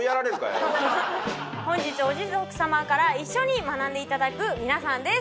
本日おジゾク様から一緒に学んでいただく皆さんです